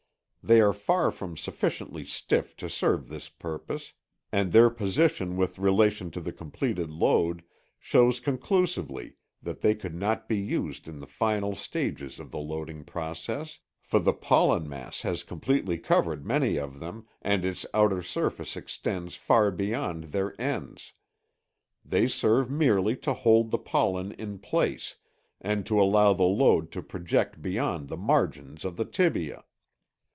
They are far from sufficiently stiff to serve this purpose, and their position with relation to the completed load shows conclusively that they could not be used in the final stages of the loading process, for the pollen mass has completely covered many of them and its outer surface extends far beyond their ends. They serve merely to hold the pollen in place and to allow the load to project beyond the margins of the tibia.